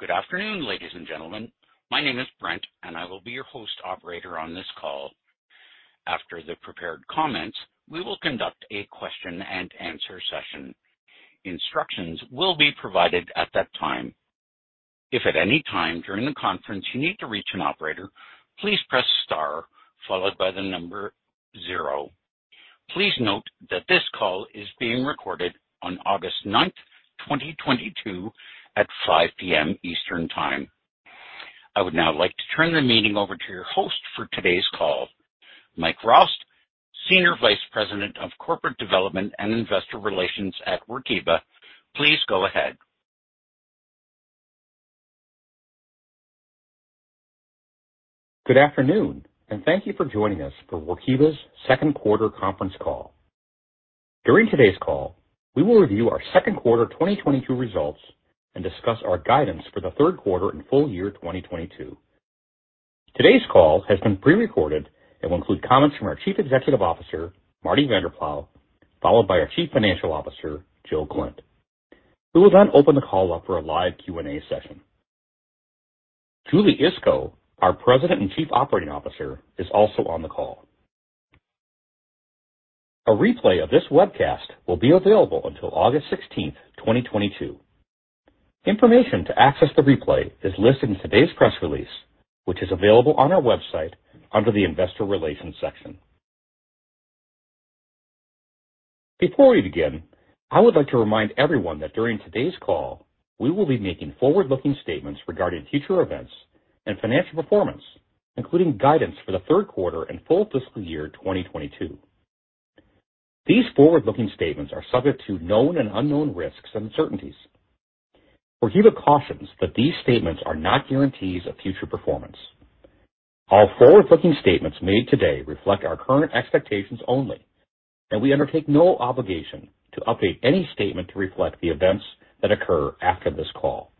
Good afternoon, ladies and gentlemen. My name is Brent, and I will be your host operator on this call. After the prepared comments, we will conduct a question and answer session. Instructions will be provided at that time. If at any time during the conference you need to reach an operator, please press star followed by the number zero. Please note that this call is being recorded on August 9th, 2022 at 5:00 P.M. Eastern Time. I would now like to turn the meeting over to your host for today's call, Mike Rost, Senior Vice President of Corporate Development and Investor Relations at Workiva. Please go ahead. Good afternoon, and thank you for joining us for Workiva's Second Quarter Conference Call. During today's call, we will review our second quarter 2022 results and discuss our guidance for the third quarter and full year 2022. Today's call has been pre-recorded and will include comments from our Chief Executive Officer, Marty Vanderploeg, followed by our Chief Financial Officer, Jill Klindt. We will then open the call up for a live Q&A session. Julie Iskow, our President and Chief Operating Officer, is also on the call. A replay of this webcast will be available until August 16, 2022. Information to access the replay is listed in today's press release, which is available on our website under the Investor Relations section. Before we begin, I would like to remind everyone that during today's call, we will be making forward-looking statements regarding future events and financial performance, including guidance for the third quarter and full fiscal year 2022. These forward-looking statements are subject to known and unknown risks and uncertainties. Workiva cautions that these statements are not guarantees of future performance. All forward-looking statements made today reflect our current expectations only, and we undertake no obligation to update any statement to reflect the events that occur after this call.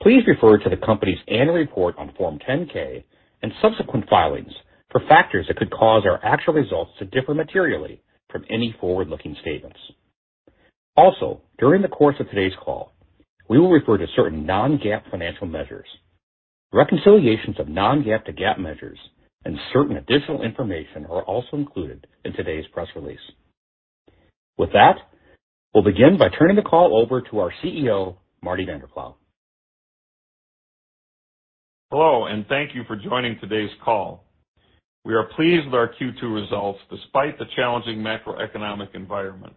Please refer to the company's annual report on Form 10-K and subsequent filings for factors that could cause our actual results to differ materially from any forward-looking statements. Also, during the course of today's call, we will refer to certain non-GAAP financial measures. Reconciliations of non-GAAP to GAAP measures and certain additional information are also included in today's press release. With that, we'll begin by turning the call over to our CEO, Marty Vanderploeg. Hello, and thank you for joining today's call. We are pleased with our Q2 results, despite the challenging macroeconomic environment.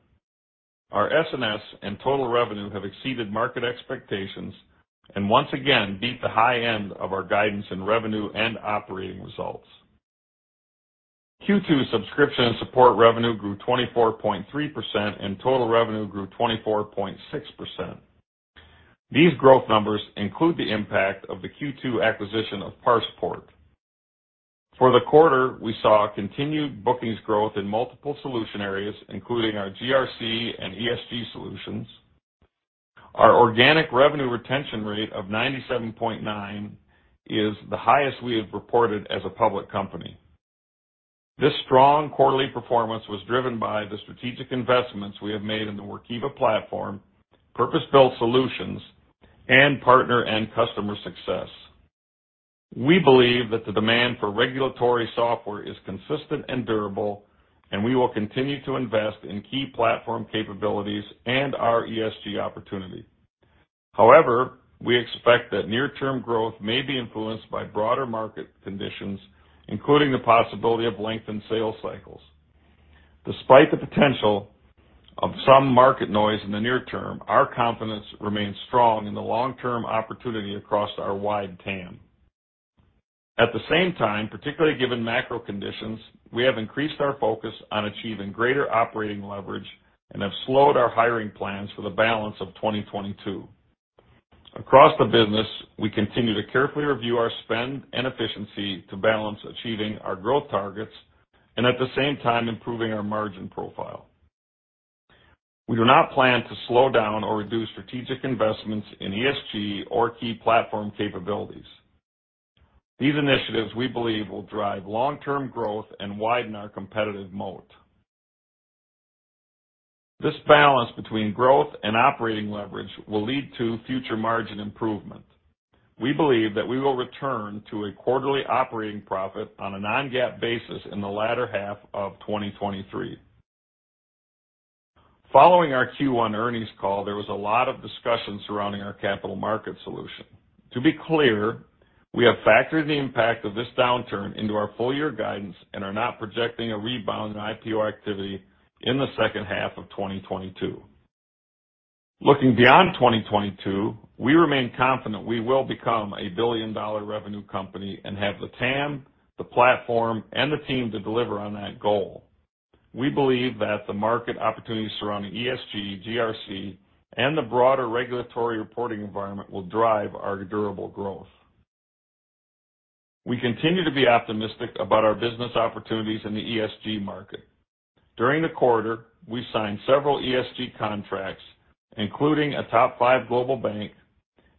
Our S&S and total revenue have exceeded market expectations and once again beat the high end of our guidance in revenue and operating results. Q2 subscription and support revenue grew 24.3%, and total revenue grew 24.6%. These growth numbers include the impact of the Q2 acquisition of ParsePort. For the quarter, we saw continued bookings growth in multiple solution areas, including our GRC and ESG solutions. Our organic revenue retention rate of 97.9% is the highest we have reported as a public company. This strong quarterly performance was driven by the strategic investments we have made in the Workiva platform, purpose-built solutions, and partner and customer success. We believe that the demand for regulatory software is consistent and durable, and we will continue to invest in key platform capabilities and our ESG opportunity. However, we expect that near-term growth may be influenced by broader market conditions, including the possibility of lengthened sales cycles. Despite the potential of some market noise in the near term, our confidence remains strong in the long-term opportunity across our wide TAM. At the same time, particularly given macro conditions, we have increased our focus on achieving greater operating leverage and have slowed our hiring plans for the balance of 2022. Across the business, we continue to carefully review our spend and efficiency to balance achieving our growth targets and at the same time, improving our margin profile. We do not plan to slow down or reduce strategic investments in ESG or key platform capabilities. These initiatives, we believe, will drive long-term growth and widen our competitive moat. This balance between growth and operating leverage will lead to future margin improvement. We believe that we will return to a quarterly operating profit on a non-GAAP basis in the latter half of 2023. Following our Q1 earnings call, there was a lot of discussion surrounding our capital market solution. To be clear, we have factored the impact of this downturn into our full year guidance and are not projecting a rebound in IPO activity in the second half of 2022. Looking beyond 2022, we remain confident we will become a billion-dollar revenue company and have the TAM, the platform, and the team to deliver on that goal. We believe that the market opportunities surrounding ESG, GRC, and the broader regulatory reporting environment will drive our durable growth. We continue to be optimistic about our business opportunities in the ESG market. During the quarter, we signed several ESG contracts, including a top five global bank,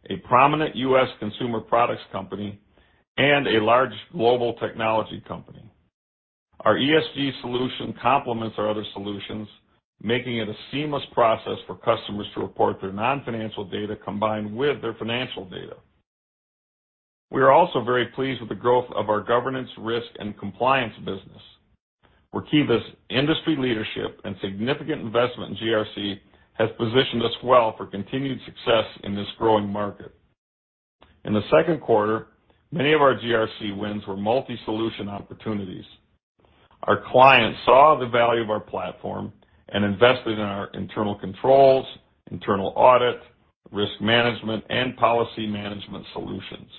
a prominent U.S. consumer products company, and a large global technology company. Our ESG solution complements our other solutions, making it a seamless process for customers to report their non-financial data combined with their financial data. We are also very pleased with the growth of our governance risk and compliance business. Workiva's industry leadership and significant investment in GRC has positioned us well for continued success in this growing market. In the second quarter, many of our GRC wins were multi-solution opportunities. Our clients saw the value of our platform and invested in our internal controls, internal audit, risk management, and policy management solutions.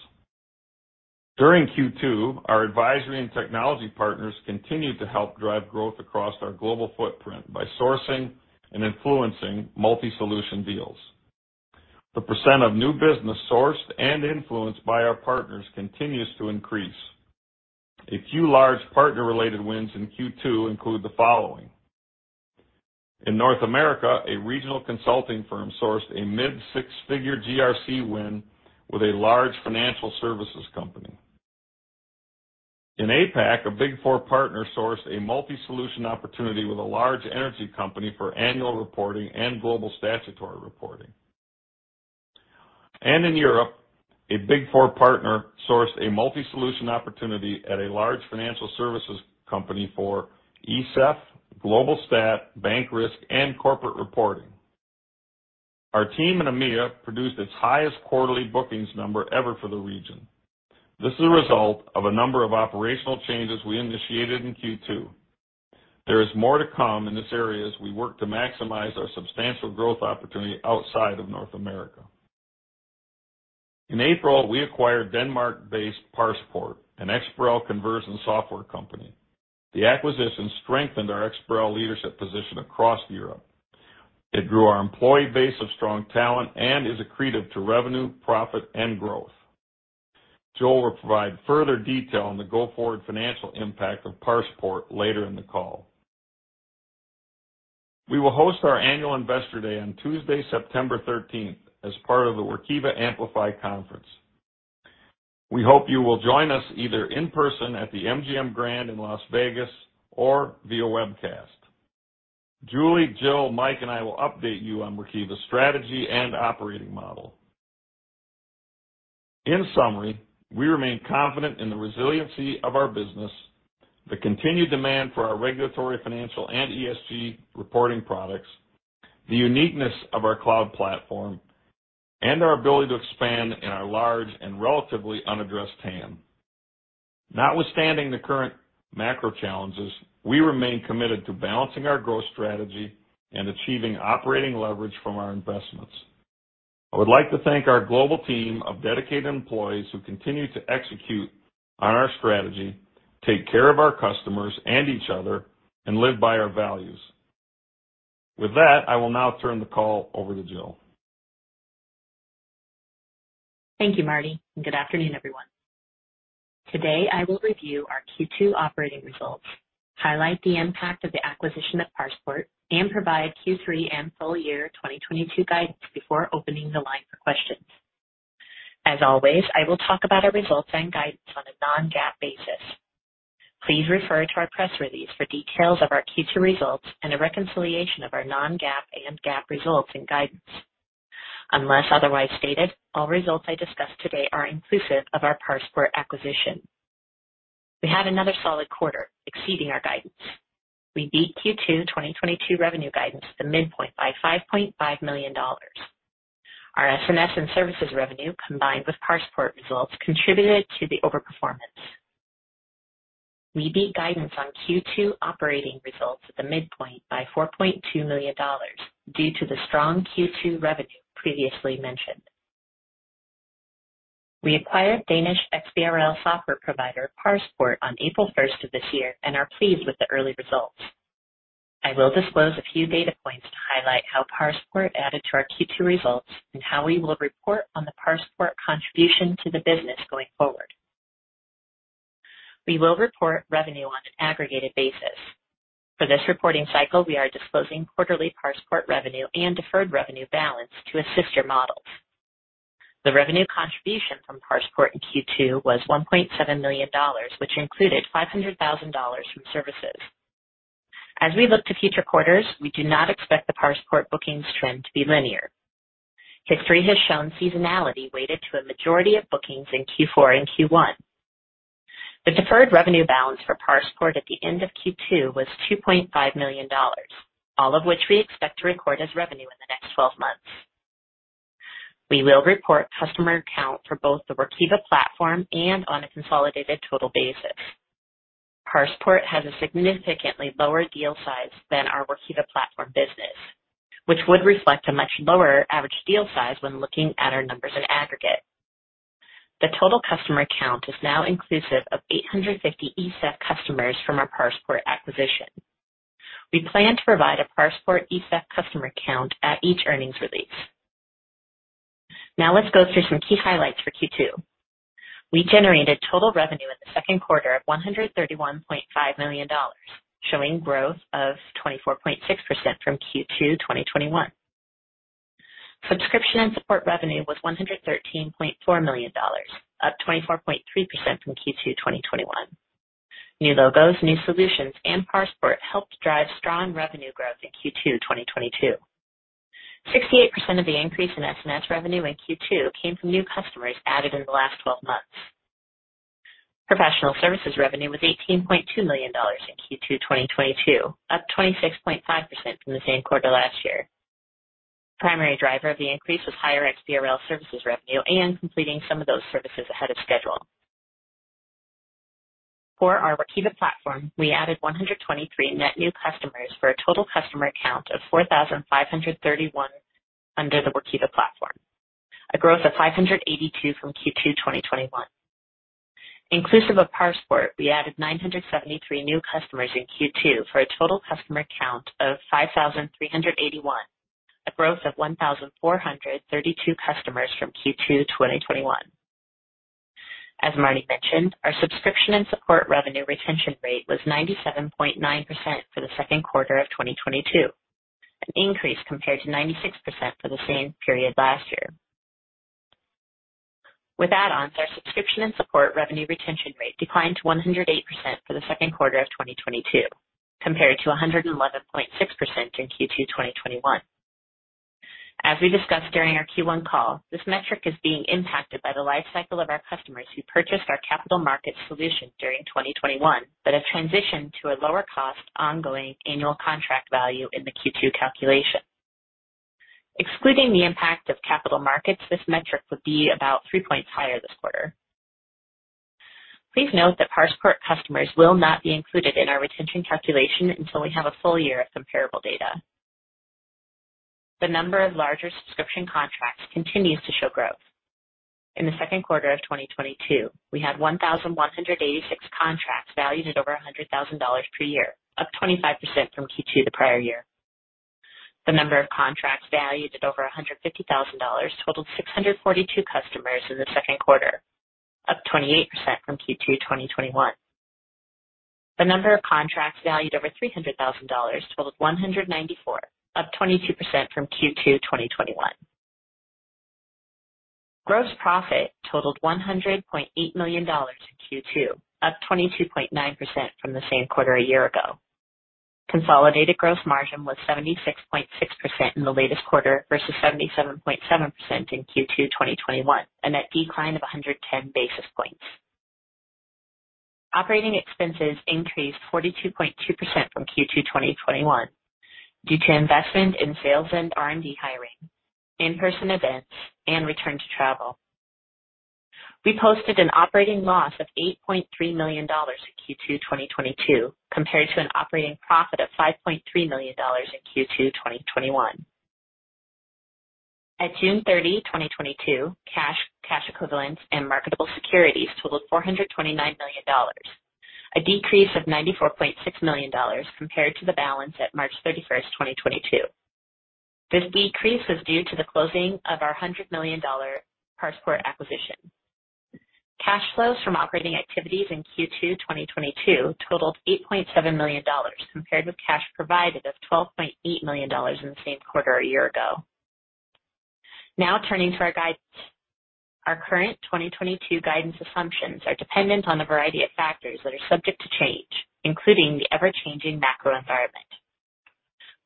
During Q2, our advisory and technology partners continued to help drive growth across our global footprint by sourcing and influencing multi-solution deals. The percent of new business sourced and influenced by our partners continues to increase. A few large partner-related wins in Q2 include the following. In North America, a regional consulting firm sourced a mid-six-figure GRC win with a large financial services company. In APAC, a Big Four partner sourced a multi-solution opportunity with a large energy company for annual reporting and global statutory reporting. In Europe, a Big Four partner sourced a multi-solution opportunity at a large financial services company for ESEF, Global Stat, Bank Risk, and corporate reporting. Our team in EMEA produced its highest quarterly bookings number ever for the region. This is a result of a number of operational changes we initiated in Q2. There is more to come in this area as we work to maximize our substantial growth opportunity outside of North America. In April, we acquired Denmark-based ParsePort, an XBRL conversion software company. The acquisition strengthened our XBRL leadership position across Europe. It grew our employee base of strong talent and is accretive to revenue, profit, and growth. Jill will provide further detail on the go-forward financial impact of ParsePort later in the call. We will host our annual Investor Day on Tuesday, September 13th, as part of the Workiva Amplify Conference. We hope you will join us either in person at the MGM Grand in Las Vegas or via webcast. Julie, Jill, Mike, and I will update you on Workiva's strategy and operating model. In summary, we remain confident in the resiliency of our business, the continued demand for our regulatory, financial, and ESG reporting products, the uniqueness of our cloud platform, and our ability to expand in our large and relatively unaddressed TAM. Notwithstanding the current macro challenges, we remain committed to balancing our growth strategy and achieving operating leverage from our investments. I would like to thank our global team of dedicated employees who continue to execute on our strategy, take care of our customers and each other, and live by our values. With that, I will now turn the call over to Jill. Thank you, Marty, and good afternoon, everyone. Today, I will review our Q2 operating results, highlight the impact of the acquisition of ParsePort, and provide Q3 and full year 2022 guidance before opening the line for questions. As always, I will talk about our results and guidance on a non-GAAP basis. Please refer to our press release for details of our Q2 results and a reconciliation of our non-GAAP and GAAP results and guidance. Unless otherwise stated, all results I discuss today are inclusive of our ParsePort acquisition. We had another solid quarter exceeding our guidance. We beat Q2 2022 revenue guidance at the midpoint by $5.5 million. Our S&S and services revenue, combined with ParsePort results, contributed to the overperformance. We beat guidance on Q2 operating results at the midpoint by $4.2 million due to the strong Q2 revenue previously mentioned. We acquired Danish XBRL software provider ParsePort on April 1st of this year and are pleased with the early results. I will disclose a few data points to highlight how ParsePort added to our Q2 results and how we will report on the ParsePort contribution to the business going forward. We will report revenue on an aggregated basis. For this reporting cycle, we are disclosing quarterly ParsePort revenue and deferred revenue balance to assist your models. The revenue contribution from ParsePort in Q2 was $1.7 million, which included $500,000 from services. As we look to future quarters, we do not expect the ParsePort bookings trend to be linear. History has shown seasonality weighted to a majority of bookings in Q4 and Q1. The deferred revenue balance for ParsePort at the end of Q2 was $2.5 million, all of which we expect to record as revenue in the next 12 months. We will report customer count for both the Workiva platform and on a consolidated total basis. ParsePort has a significantly lower deal size than our Workiva platform business, which would reflect a much lower average deal size when looking at our numbers in aggregate. The total customer count is now inclusive of 850 ESEF customers from our ParsePort acquisition. We plan to provide a ParsePort ESEF customer count at each earnings release. Now let's go through some key highlights for Q2. We generated total revenue in the second quarter of $131.5 million, showing growth of 24.6% from Q2 2021. Subscription and support revenue was $113.4 million, up 24.3% from Q2 2021. New logos, new solutions, and ParsePort helped drive strong revenue growth in Q2 2022. 68% of the increase in S&S revenue in Q2 came from new customers added in the last 12 months. Professional services revenue was $18.2 million in Q2 2022, up 26.5% from the same quarter last year. Primary driver of the increase was higher XBRL services revenue and completing some of those services ahead of schedule. For our Workiva platform, we added 123 net new customers for a total customer count of 4,531 under the Workiva platform, a growth of 582 from Q2 2021. Inclusive of ParsePort, we added 973 new customers in Q2 for a total customer count of 5,381, a growth of 1,432 customers from Q2 2021. As Marty mentioned, our subscription and support revenue retention rate was 97.9% for the second quarter of 2022, an increase compared to 96% for the same period last year. With add-ons, our subscription and support revenue retention rate declined to 108% for the second quarter of 2022, compared to 111.6% in Q2 2021. As we discussed during our Q1 call, this metric is being impacted by the life cycle of our customers who purchased our capital markets solution during 2021, but have transitioned to a lower cost ongoing annual contract value in the Q2 calculation. Excluding the impact of capital markets, this metric would be about three points higher this quarter. Please note that ParsePort customers will not be included in our retention calculation until we have a full year of comparable data. The number of larger subscription contracts continues to show growth. In the second quarter of 2022, we had 1,186 contracts valued at over $100,000 per year, up 25% from Q2 the prior year. The number of contracts valued at over $150,000 totaled 642 customers in the second quarter, up 28% from Q2 2021. The number of contracts valued over $300,000 totaled 194, up 22% from Q2 2021. Gross profit totaled $100.8 million in Q2, up 22.9% from the same quarter a year ago. Consolidated gross margin was 76.6% in the latest quarter versus 77.7% in Q2 2021, a net decline of 110 basis points. Operating expenses increased 42.2% from Q2 2021 due to investment in sales and R&D hiring, in-person events, and return to travel. We posted an operating loss of $8.3 million in Q2 2022, compared to an operating profit of $5.3 million in Q2 2021. At June 30, 2022, cash equivalents, and marketable securities totaled $429 million, a decrease of $94.6 million compared to the balance at March 31st, 2022. This decrease was due to the closing of our $100 million ParsePort acquisition. Cash flows from operating activities in Q2 2022 totaled $8.7 million, compared with cash provided of $12.8 million in the same quarter a year ago. Now turning to our guidance. Our current 2022 guidance assumptions are dependent on a variety of factors that are subject to change, including the ever-changing macro environment.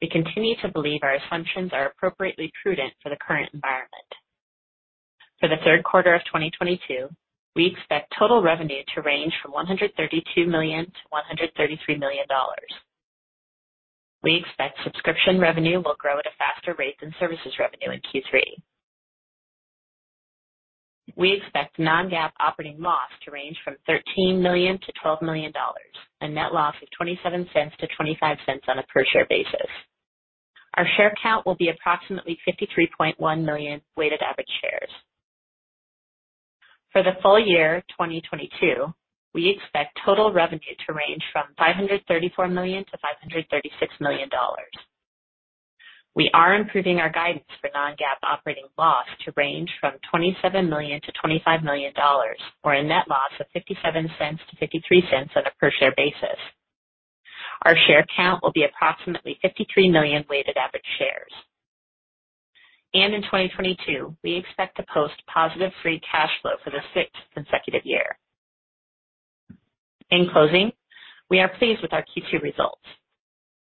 We continue to believe our assumptions are appropriately prudent for the current environment. For the third quarter of 2022, we expect total revenue to range from $132 million-$133 million. We expect subscription revenue will grow at a faster rate than services revenue in Q3. We expect non-GAAP operating loss to range from $13 million-$12 million, a net loss of $0.27-$0.25 on a per share basis. Our share count will be approximately 53.1 million weighted average shares. For the full year 2022, we expect total revenue to range from $534 million-$536 million. We are improving our guidance for non-GAAP operating loss to range from $27 million-$25 million, or a net loss of $0.57-$0.53 on a per share basis. Our share count will be approximately 53 million weighted average shares. In 2022, we expect to post positive free cash flow for the sixth consecutive year. In closing, we are pleased with our Q2 results.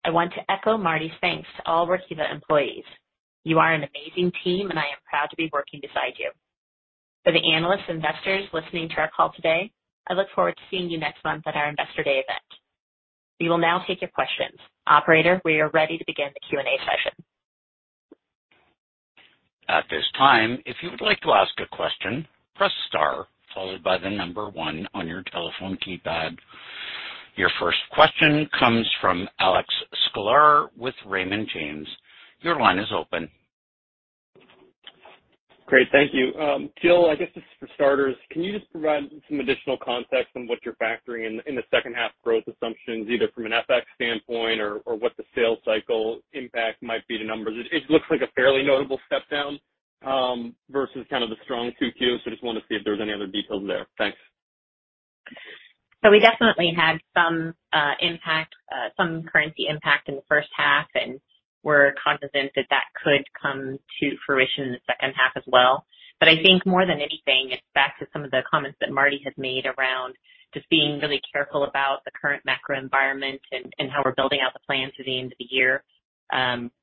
I want to echo Marty's thanks to all Workiva employees. You are an amazing team, and I am proud to be working beside you. For the analysts, investors listening to our call today, I look forward to seeing you next month at our Investor Day event. We will now take your questions. Operator, we are ready to begin the Q&A session. At this time, if you would like to ask a question, press star followed by the number one on your telephone keypad. Your first question comes from Alex Sklar with Raymond James. Your line is open. Great. Thank you. Jill, I guess just for starters, can you just provide some additional context on what you're factoring in the second half growth assumptions, either from an FX standpoint or what the sales cycle impact might be to numbers? It looks like a fairly notable step down versus kind of the strong two Qs. Just want to see if there's any other details there. Thanks. We definitely had some impact, some currency impact in the first half, and we're cognizant that that could come to fruition in the second half as well. But I think more than anything, it's back to some of the comments that Marty had made around just being really careful about the current macro environment and how we're building out the plan through the end of the year.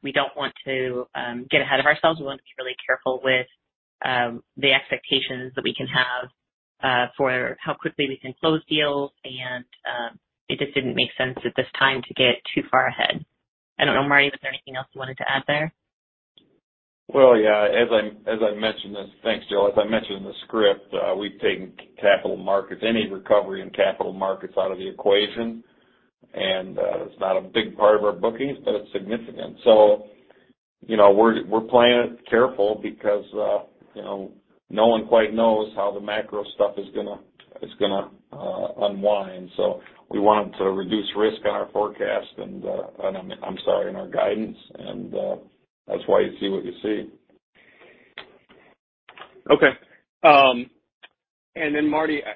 We don't want to get ahead of ourselves. We want to be really careful with the expectations that we can have for how quickly we can close deals. It just didn't make sense at this time to get too far ahead. I don't know, Marty, was there anything else you wanted to add there? Well, yeah. Thanks, Jill. As I mentioned in the script, we've taken capital markets, any recovery in capital markets out of the equation. It's not a big part of our bookings, but it's significant. You know, we're playing it careful because, you know, no one quite knows how the macro stuff is gonna unwind. We wanted to reduce risk on our forecast. I'm sorry, in our guidance, and that's why you see what you see. Okay.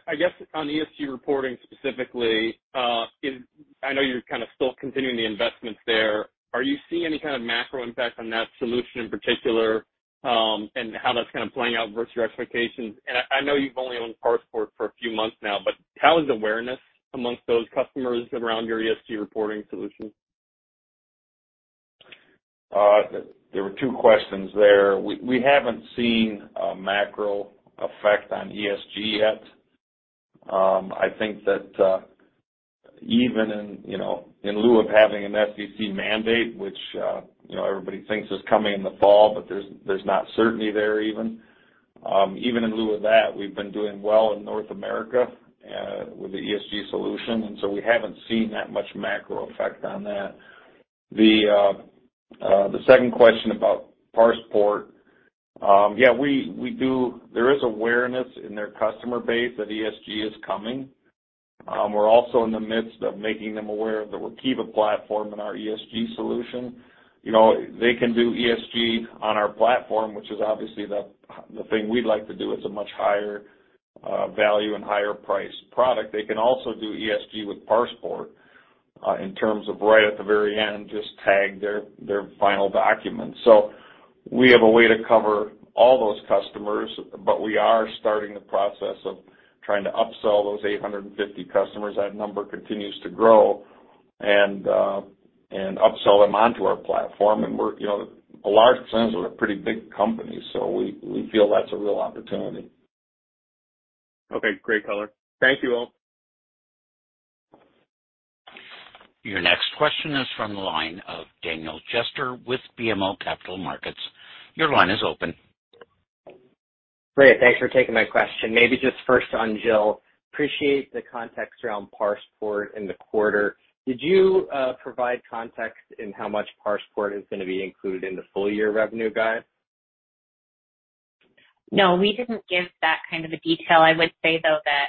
I guess on ESG reporting specifically, I know you're kind of still continuing the investments there. Are you seeing any kind of macro impact on that solution in particular, and how that's kind of playing out versus your expectations? I know you've only owned ParsePort for a few months now, but how is awareness amongst those customers around your ESG reporting solution? There were two questions there. We haven't seen a macro effect on ESG yet. I think that even in, you know, in lieu of having an SEC mandate, which, you know, everybody thinks is coming in the fall, but there's not certainty there even. Even in lieu of that, we've been doing well in North America with the ESG solution, and so we haven't seen that much macro effect on that. The second question about ParsePort. There is awareness in their customer base that ESG is coming. We're also in the midst of making them aware of the Workiva platform and our ESG solution. You know, they can do ESG on our platform, which is obviously the thing we'd like to do. It's a much higher value and higher priced product. They can also do ESG with ParsePort in terms of right at the very end, just tag their final document. We have a way to cover all those customers, but we are starting the process of trying to upsell those 850 customers. That number continues to grow and upsell them onto our platform. We're you know, in a large sense, we're a pretty big company, so we feel that's a real opportunity. Okay. Great color. Thank you all. Your next question is from the line of Daniel Jester with BMO Capital Markets. Your line is open. Great. Thanks for taking my question. Maybe just first on Jill. Appreciate the context around ParsePort in the quarter. Did you provide context in how much ParsePort is gonna be included in the full year revenue guide? No, we didn't give that kind of a detail. I would say, though, that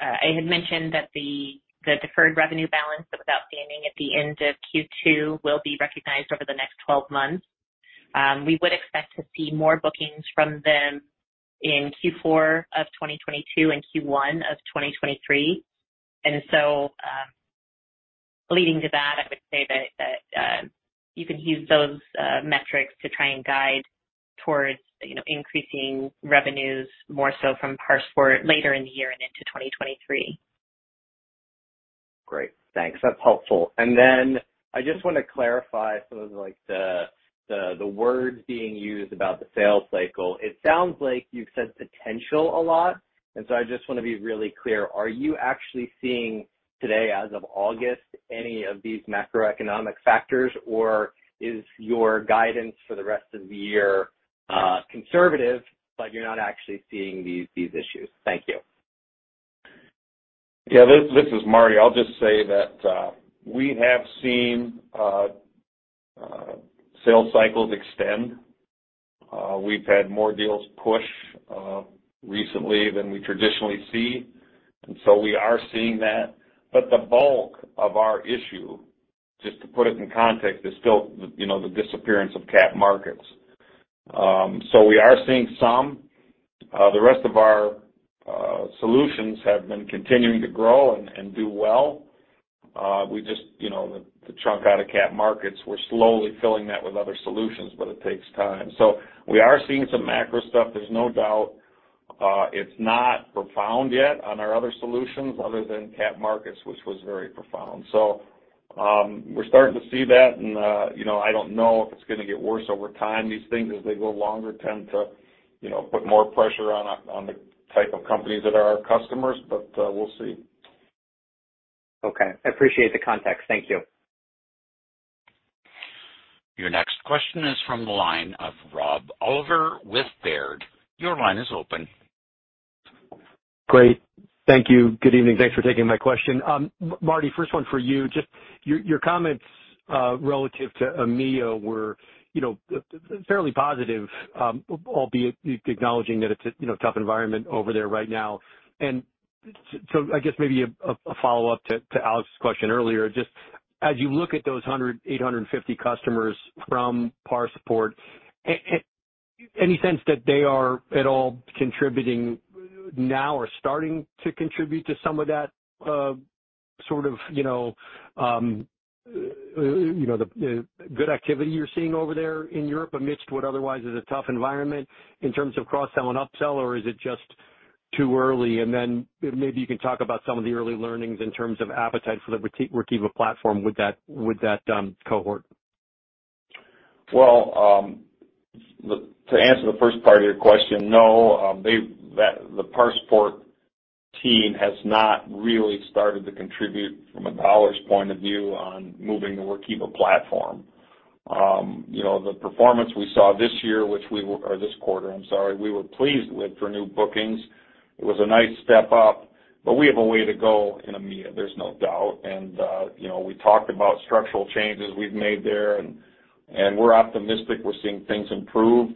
I had mentioned that the deferred revenue balance that was outstanding at the end of Q2 will be recognized over the next 12 months. We would expect to see more bookings from them in Q4 of 2022 and Q1 of 2023. Leading to that, I would say that you can use those metrics to try and guide towards, you know, increasing revenues more so from ParsePort later in the year and into 2023. Great. Thanks. That's helpful. I just wanna clarify some of, like, the words being used about the sales cycle. It sounds like you've said potential a lot, and so I just wanna be really clear. Are you actually seeing today, as of August, any of these macroeconomic factors, or is your guidance for the rest of the year, conservative, but you're not actually seeing these issues? Thank you. Yeah, this is Marty. I'll just say that we have seen sales cycles extend. We've had more deals push recently than we traditionally see, and so we are seeing that. The bulk of our issue, just to put it in context, is still, you know, the disappearance of cap markets. We are seeing some. The rest of our solutions have been continuing to grow and do well. We just, you know, the chunk out of cap markets, we're slowly filling that with other solutions, but it takes time. We are seeing some macro stuff, there's no doubt. It's not profound yet on our other solutions other than cap markets, which was very profound. We're starting to see that and, you know, I don't know if it's gonna get worse over time. These things, as they go longer, tend to, you know, put more pressure on the type of companies that are our customers, but we'll see. Okay. I appreciate the context. Thank you. Your next question is from the line of Rob Oliver with Baird. Your line is open. Great. Thank you. Good evening. Thanks for taking my question. Marty, first one for you. Just your comments relative to EMEA were, you know, fairly positive, albeit acknowledging that it's a, you know, tough environment over there right now. So I guess maybe a follow-up to Alex's question earlier. Just as you look at those 850 customers from ParsePort, any sense that they are at all contributing now or starting to contribute to some of that, you know, the good activity you're seeing over there in Europe amidst what otherwise is a tough environment in terms of cross-sell and upsell, or is it just too early? Maybe you can talk about some of the early learnings in terms of appetite for the Workiva platform with that cohort. Well, to answer the first part of your question, no, the ParsePort team has not really started to contribute from a dollars point of view on moving to Workiva platform. You know, the performance we saw this year, or this quarter, I'm sorry, we were pleased with for new bookings. It was a nice step up, but we have a way to go in EMEA. There's no doubt. You know, we talked about structural changes we've made there, and we're optimistic we're seeing things improve.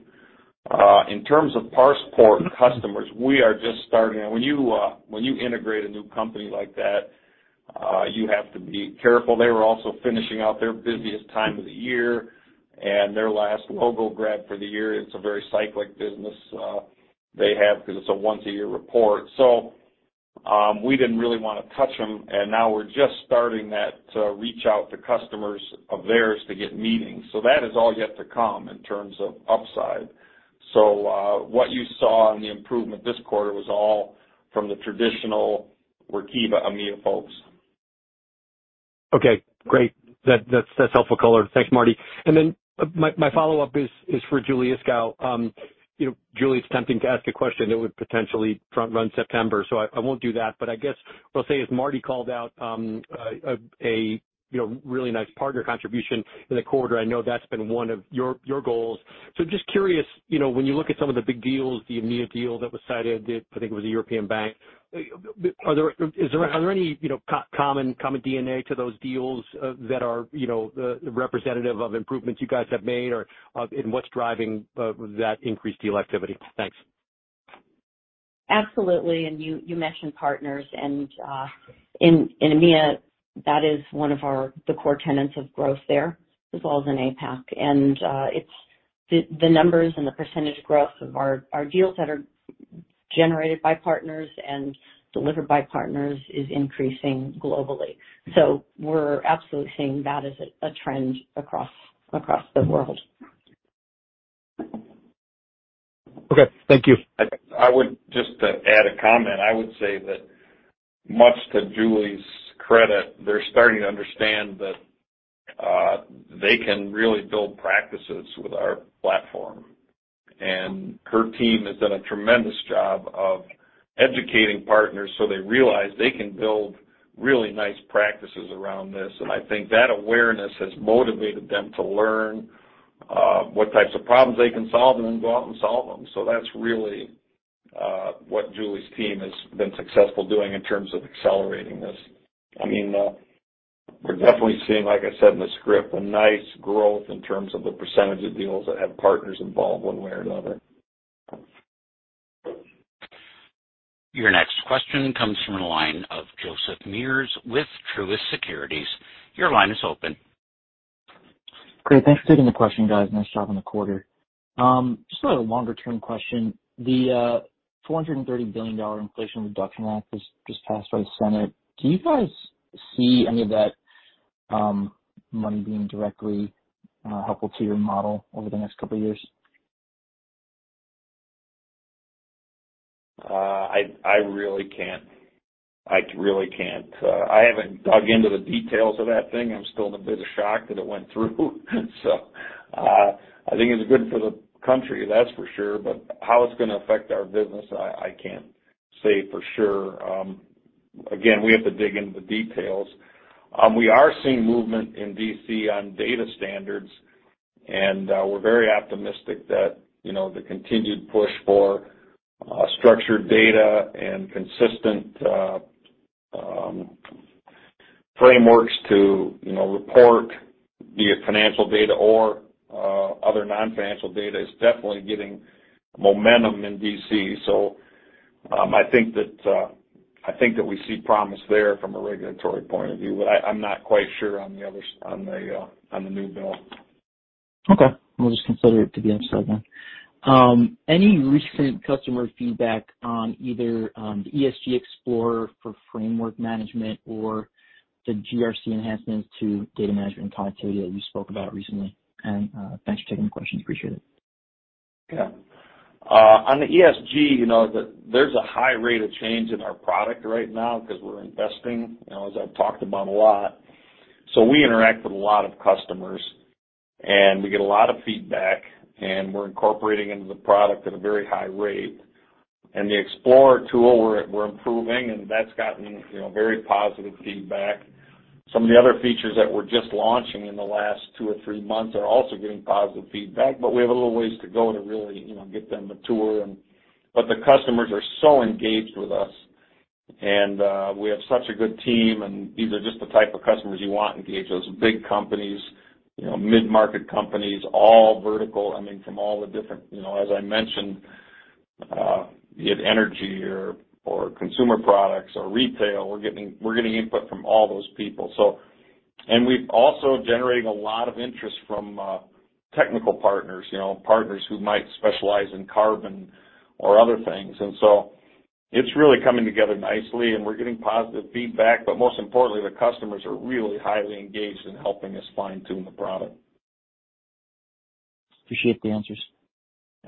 In terms of ParsePort customers, we are just starting. When you integrate a new company like that, you have to be careful. They were also finishing out their busiest time of the year and their last logo grab for the year. It's a very cyclical business they have because it's a once a year report. We didn't really wanna touch them. Now we're just starting to reach out to customers of theirs to get meetings. That is all yet to come in terms of upside. What you saw in the improvement this quarter was all from the traditional Workiva EMEA folks. Okay, great. That's helpful color. Thanks, Marty. My follow-up is for Julie Iskow. You know, Julie, it's tempting to ask a question that would potentially front run September, so I won't do that. I guess what I'll say is Marty called out a really nice partner contribution in the quarter. I know that's been one of your goals. Just curious, you know, when you look at some of the big deals, the EMEA deal that was cited, I think it was a European bank, are there any common DNA to those deals that are representative of improvements you guys have made or and what's driving that increased deal activity? Thanks. Absolutely. You mentioned partners, and in EMEA, that is one of the core tenets of growth there, as well as in APAC. It's the numbers and the percentage growth of our deals that are generated by partners and delivered by partners is increasing globally. We're absolutely seeing that as a trend across the world. Okay. Thank you. I would just add a comment. I would say that much to Julie's credit, they're starting to understand that they can really build practices with our platform. Her team has done a tremendous job of educating partners so they realize they can build really nice practices around this. I think that awareness has motivated them to learn what types of problems they can solve and then go out and solve them. That's really what Julie's team has been successful doing in terms of accelerating this. I mean, we're definitely seeing, like I said in the script, a nice growth in terms of the percentage of deals that have partners involved one way or another. Your next question comes from the line of Joseph Meares with Truist Securities. Your line is open. Great. Thanks for taking the question, guys. Nice job on the quarter. Just sort of a longer term question. The $430 billion Inflation Reduction Act was just passed by the Senate. Do you guys see any of that money being directly helpful to your model over the next couple of years? I really can't. I haven't dug into the details of that thing. I'm still in a bit of shock that it went through. I think it's good for the country, that's for sure. How it's gonna affect our business, I can't say for sure. Again, we have to dig into the details. We are seeing movement in D.C. on data standards, and we're very optimistic that, you know, the continued push for structured data and consistent frameworks to, you know, report via financial data or other non-financial data is definitely getting momentum in D.C. I think that we see promise there from a regulatory point of view. I'm not quite sure on the new bill. Okay. We'll just consider it to be uncertain. Any recent customer feedback on either the ESG Explorer for framework management or the GRC enhancements to data management and continuity that you spoke about recently? Thanks for taking the questions. Appreciate it. Yeah. On the ESG, you know, there's a high rate of change in our product right now 'cause we're investing, you know, as I've talked about a lot. We interact with a lot of customers, and we get a lot of feedback, and we're incorporating into the product at a very high rate. The Explorer tool, we're improving, and that's gotten, you know, very positive feedback. Some of the other features that we're just launching in the last two or three months are also getting positive feedback, but we have a little ways to go to really, you know, get them mature. The customers are so engaged with us, and we have such a good team, and these are just the type of customers you want engaged, those big companies, you know, mid-market companies, all vertical, I mean, from all the different, you know, as I mentioned. Be it energy or consumer products or retail, we're getting input from all those people. We've also generating a lot of interest from technical partners, you know, partners who might specialize in carbon or other things. It's really coming together nicely, and we're getting positive feedback. Most importantly, the customers are really highly engaged in helping us fine-tune the product. Appreciate the answers.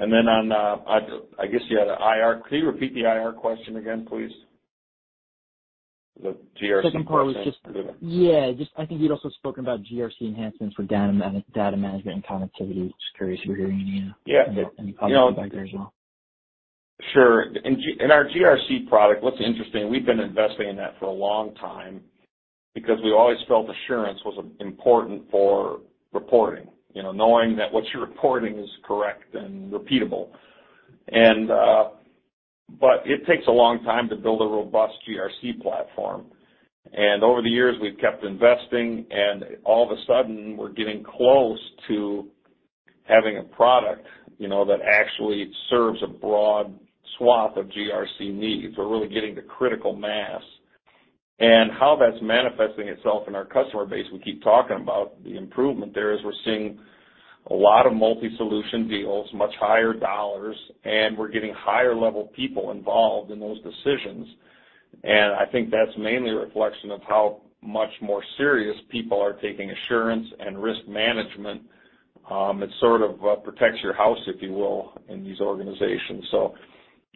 I guess you had an IR. Can you repeat the IR question again, please? The GRC question- Yeah, just I think you'd also spoken about GRC enhancements for data management and connectivity. Just curious if you're hearing any Yeah. any positive feedback there as well. Sure. In our GRC product, what's interesting, we've been investing in that for a long time because we always felt assurance was important for reporting. You know, knowing that what you're reporting is correct and repeatable. But it takes a long time to build a robust GRC platform. Over the years, we've kept investing, and all of a sudden, we're getting close to having a product, you know, that actually serves a broad swath of GRC needs. We're really getting to critical mass. How that's manifesting itself in our customer base, we keep talking about the improvement there, is we're seeing a lot of multi-solution deals, much higher dollars, and we're getting higher level people involved in those decisions. I think that's mainly a reflection of how much more serious people are taking assurance and risk management, that sort of protects your house, if you will, in these organizations.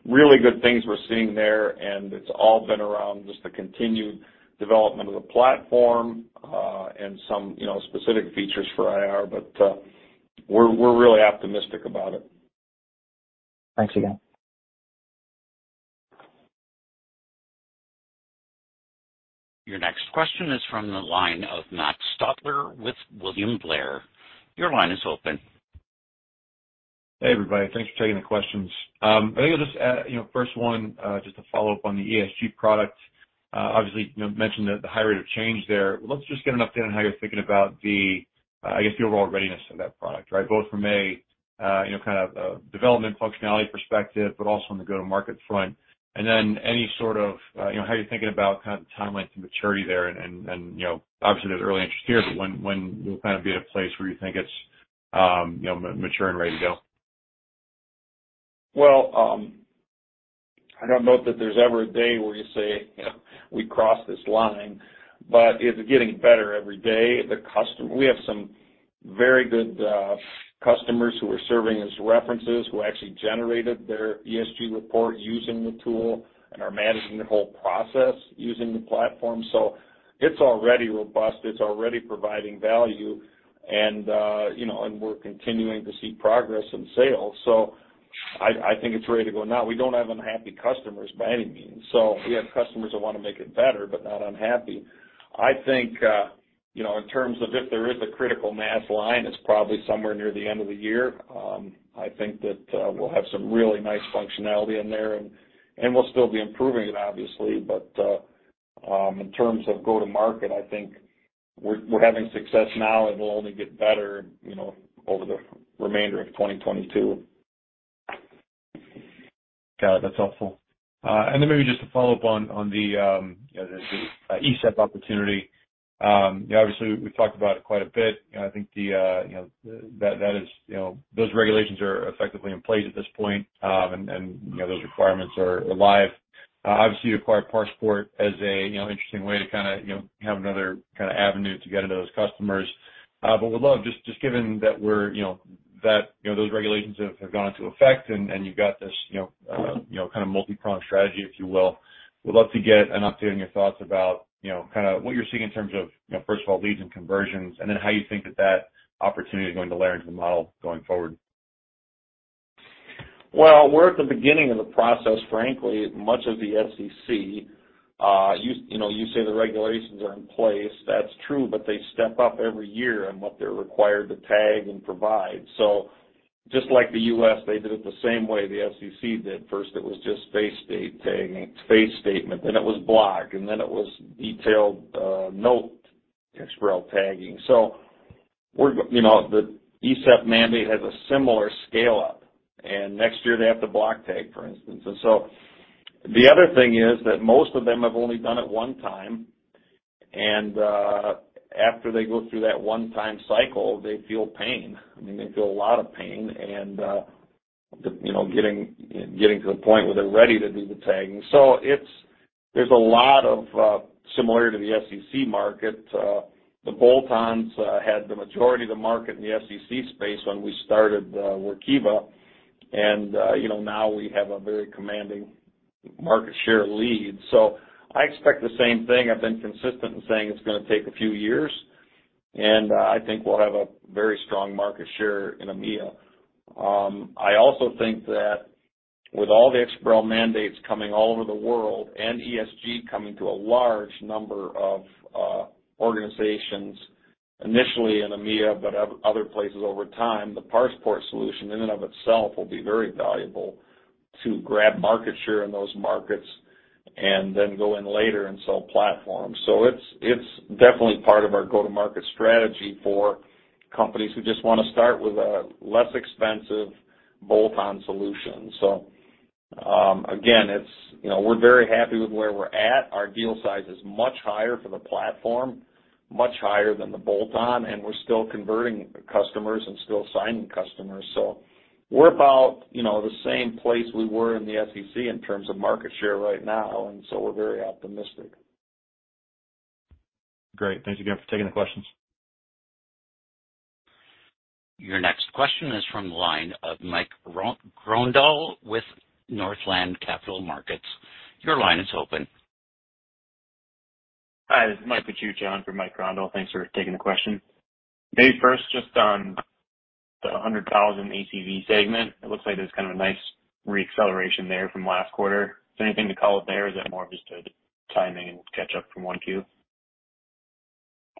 Really good things we're seeing there, and it's all been around just the continued development of the platform, and some, you know, specific features for IR. We're really optimistic about it. Thanks again. Your next question is from the line of Matt Stotler with William Blair. Your line is open. Hey, everybody. Thanks for taking the questions. I think I'll just add, you know, first one, just to follow up on the ESG product, obviously you know, mentioned the high rate of change there. Let's just get an update on how you're thinking about the, I guess, the overall readiness of that product, right? Both from a, you know, kind of a development functionality perspective, but also on the go-to-market front. Any sort of, you know, how you're thinking about kind of the timeline to maturity there. You know, obviously there's early interest here, but when you'll kind of be at a place where you think it's, you know, mature and ready to go. Well, I don't know that there's ever a day where you say, you know, we crossed this line, but it's getting better every day. We have some very good customers who are serving as references, who actually generated their ESG report using the tool and are managing the whole process using the platform. It's already robust. It's already providing value. You know, and we're continuing to see progress in sales. I think it's ready to go now. We don't have unhappy customers by any means. We have customers that wanna make it better, but not unhappy. I think, you know, in terms of if there is a critical mass line, it's probably somewhere near the end of the year. I think that we'll have some really nice functionality in there, and we'll still be improving it, obviously. In terms of go-to-market, I think we're having success now, and we'll only get better, you know, over the remainder of 2022. Got it. That's helpful. Maybe just to follow up on the you know the ESEF opportunity. You know, obviously, we've talked about it quite a bit. You know, I think the you know that is you know those regulations are effectively in place at this point. You know those requirements are live. Obviously, you acquired ParsePort as a you know interesting way to kinda you know have another kinda avenue to get to those customers. Would love just given that we're you know that you know those regulations have gone into effect and you've got this you know kind of multi-pronged strategy, if you will. Would love to get an update on your thoughts about, you know, kinda what you're seeing in terms of, you know, first of all, leads and conversions, and then how you think that that opportunity is going to layer into the model going forward? Well, we're at the beginning of the process, frankly, much like the SEC. You know, you say the regulations are in place, that's true, but they step up every year on what they're required to tag and provide. Just like the U.S., they did it the same way the SEC did. First, it was just face statement tagging, then it was block, and then it was detailed note XBRL tagging. You know, the ESEF mandate has a similar scale-up, and next year they have to block tag, for instance. After they go through that one-time cycle, they feel pain. I mean, they feel a lot of pain and, you know, getting to the point where they're ready to do the tagging. It's a lot of similar to the SEC market. The bolt-ons had the majority of the market in the SEC space when we started Workiva. You know, now we have a very commanding market share lead. I expect the same thing. I've been consistent in saying it's gonna take a few years, and I think we'll have a very strong market share in EMEA. I also think that with all the XBRL mandates coming all over the world and ESG coming to a large number of organizations, initially in EMEA, but other places over time, the ParsePort solution in and of itself will be very valuable to grab market share in those markets. Then go in later and sell platforms. It's definitely part of our go-to-market strategy for companies who just wanna start with a less expensive bolt-on solution. Again, you know, we're very happy with where we're at. Our deal size is much higher for the platform, much higher than the bolt-on, and we're still converting customers and still signing customers. We're about, you know, the same place we were in the SEC in terms of market share right now, and so we're very optimistic. Great. Thanks again for taking the questions. Your next question is from the line of Mike Grondahl with Northland Capital Markets. Your line is open. Hi, this is Mike Pochucha for Mike Grondahl. Thanks for taking the question. Jill, first, just on the $100,000 ACV segment, it looks like there's kind of a nice re-acceleration there from last quarter. Is there anything to call out there or is that more just a timing and catch up from 1Q?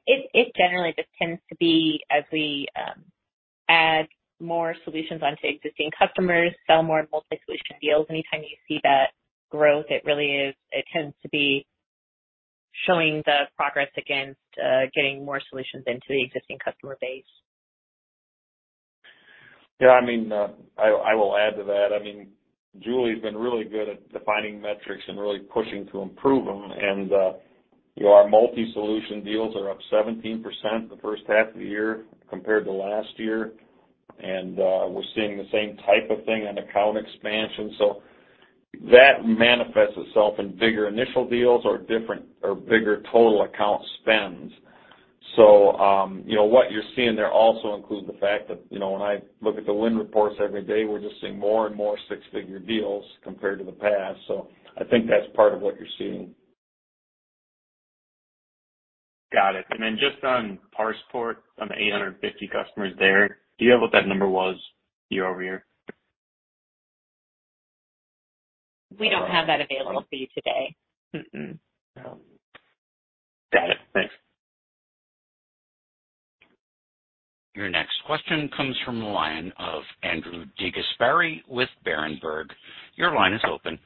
It generally just tends to be as we add more solutions onto existing customers, sell more multi-solution deals. Anytime you see that growth, it really tends to be showing the progress against getting more solutions into the existing customer base. I will add to that. I mean, Julie's been really good at defining metrics and really pushing to improve them. You know, our multi-solution deals are up 17% the first half of the year compared to last year. We're seeing the same type of thing on account expansion. That manifests itself in bigger initial deals or different or bigger total account spends. You know, what you're seeing there also includes the fact that, you know, when I look at the win reports every day, we're just seeing more and more six-figure deals compared to the past. I think that's part of what you're seeing. Got it. Just on ParsePort, on the 850 customers there, do you have what that number was year-over-year? We don't have that available for you today. Got it. Thanks. Your next question comes from the line of Andrew DeGasperi with Berenberg. Your line is open.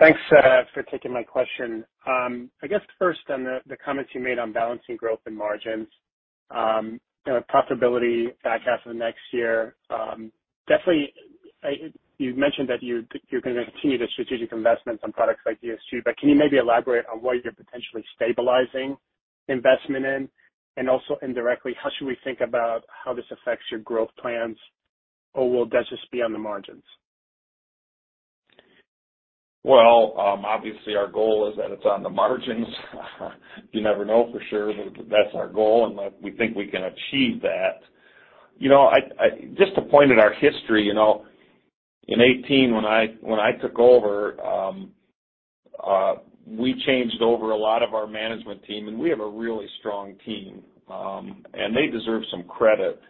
Thanks for taking my question. I guess first on the comments you made on balancing growth and margins, you know, profitability back half of next year, definitely you've mentioned that you're gonna continue the strategic investments on products like ESG, but can you maybe elaborate on what you're potentially stabilizing investment in? Also indirectly, how should we think about how this affects your growth plans? Does this bear on the margins? Well, obviously, our goal is that it's on the margins. You never know for sure, but that's our goal, and we think we can achieve that. You know, just a point in our history, you know, in 2018 when I took over, we changed over a lot of our management team, and we have a really strong team, and they deserve some credit.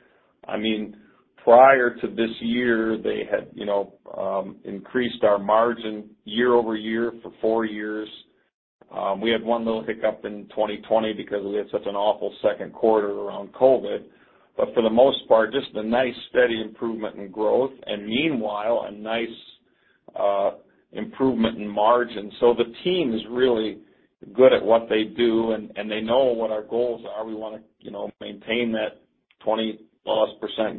I mean, prior to this year, they had, you know, increased our margin year-over-year for four years. We had one little hiccup in 2020 because we had such an awful second quarter around COVID. For the most part, just a nice steady improvement in growth and meanwhile a nice improvement in margin. The team is really good at what they do and they know what our goals are. We wanna, you know, maintain that 20%+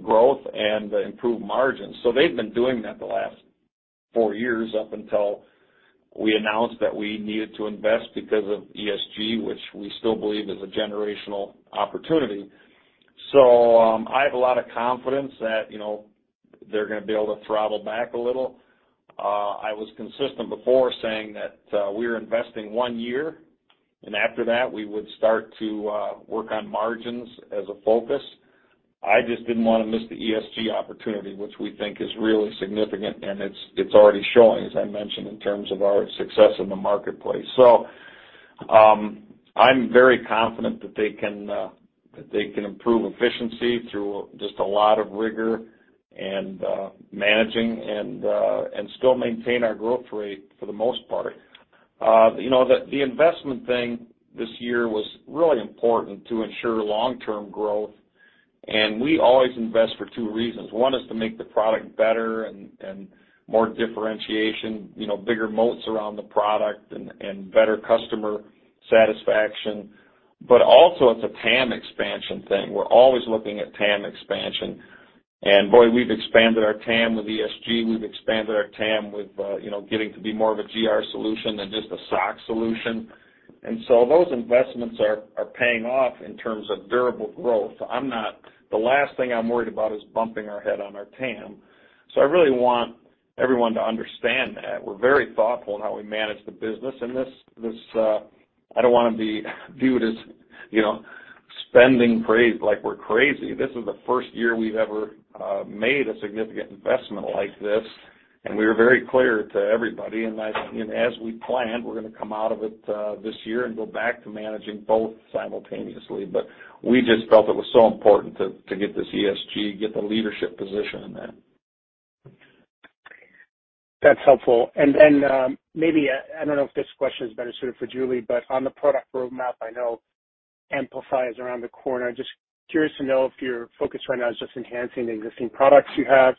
growth and improve margins. They've been doing that the last four years up until we announced that we needed to invest because of ESG, which we still believe is a generational opportunity. I have a lot of confidence that, you know, they're gonna be able to throttle back a little. I was consistent before saying that we're investing one year, and after that, we would start to work on margins as a focus. I just didn't wanna miss the ESG opportunity, which we think is really significant. It's already showing, as I mentioned, in terms of our success in the marketplace. I'm very confident that they can improve efficiency through just a lot of rigor and managing and still maintain our growth rate for the most part. You know, the investment thing this year was really important to ensure long-term growth. We always invest for two reasons. One is to make the product better and more differentiation, you know, bigger moats around the product and better customer satisfaction. Also it's a TAM expansion thing. We're always looking at TAM expansion. Boy, we've expanded our TAM with ESG. We've expanded our TAM with, you know, getting to be more of a GRC solution than just a SOX solution. Those investments are paying off in terms of durable growth. The last thing I'm worried about is bumping our head on our TAM. I really want everyone to understand that. We're very thoughtful in how we manage the business. This, I don't wanna be viewed as, you know, spending crazy, like we're crazy. This is the first year we've ever made a significant investment like this, and we are very clear to everybody. As we planned, we're gonna come out of it this year and go back to managing both simultaneously. We just felt it was so important to get this ESG, get the leadership position in that. That's helpful. Maybe, I don't know if this question is better suited for Julie, but on the product roadmap, I know Amplify is around the corner. Just curious to know if your focus right now is just enhancing the existing products you have,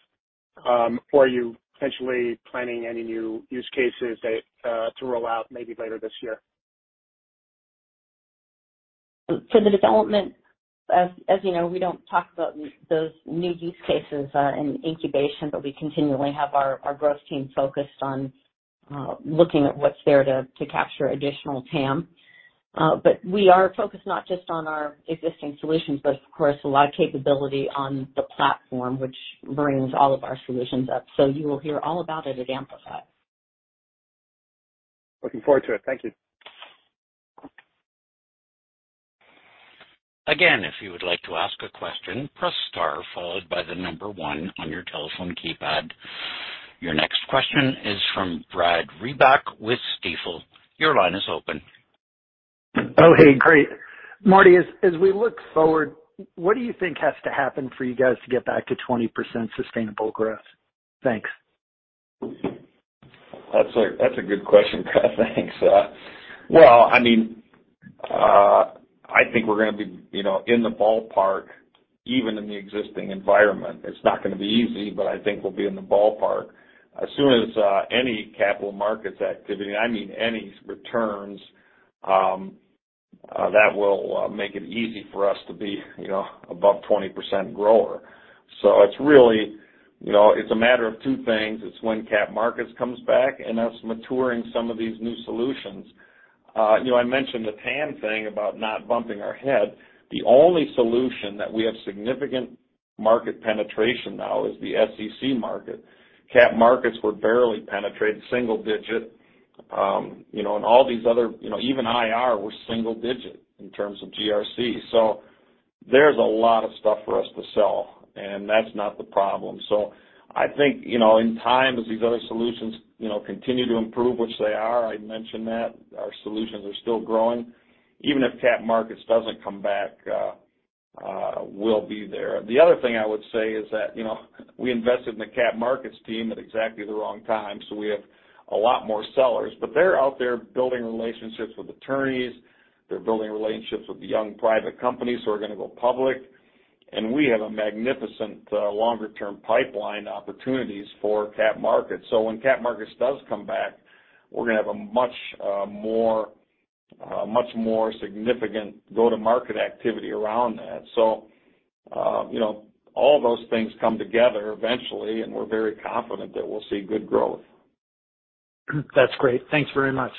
or are you potentially planning any new use cases that to roll out maybe later this year? For the development, as you know, we don't talk about those new use cases in incubation, but we continually have our growth team focused on looking at what's there to capture additional TAM. But we are focused not just on our existing solutions, but of course, a lot of capability on the platform, which brings all of our solutions up. You will hear all about it at Amplify. Looking forward to it. Thank you. Again, if you would like to ask a question, press star followed by the number one on your telephone keypad. Your next question is from Brad Reback with Stifel. Your line is open. Oh, hey. Great. Marty, as we look forward, what do you think has to happen for you guys to get back to 20% sustainable growth? Thanks. That's a good question, Brad. Thanks. Well, I mean, I think we're gonna be, you know, in the ballpark, even in the existing environment. It's not gonna be easy, but I think we'll be in the ballpark. As soon as any capital markets activity, I mean any returns, that will make it easy for us to be, you know, above 20% grower. It's really, you know, it's a matter of two things. It's when cap markets comes back and us maturing some of these new solutions. You know, I mentioned the TAM thing about not bumping our head. The only solution that we have significant market penetration now is the SEC market. Cap markets, we're barely penetrated single digit, you know. And all these other, you know, even IR, we're single digit in terms of GRC. There's a lot of stuff for us to sell, and that's not the problem. I think, you know, in time, as these other solutions, you know, continue to improve, which they are, I mentioned that our solutions are still growing. Even if capital markets doesn't come back, we'll be there. The other thing I would say is that, you know, we invested in the capital markets team at exactly the wrong time, so we have a lot more sellers. They're out there building relationships with attorneys. They're building relationships with the young private companies who are gonna go public. We have a magnificent longer term pipeline opportunities for capital markets. When capital markets does come back, we're gonna have a much more significant go-to-market activity around that. You know, all those things come together eventually, and we're very confident that we'll see good growth. That's great. Thanks very much.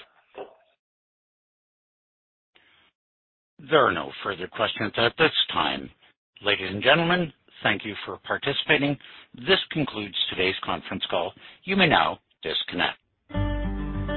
There are no further questions at this time. Ladies and gentlemen, thank you for participating. This concludes today's conference call. You may now disconnect.